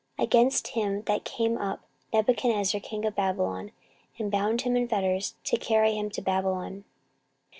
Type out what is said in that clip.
14:036:006 Against him came up Nebuchadnezzar king of Babylon, and bound him in fetters, to carry him to Babylon.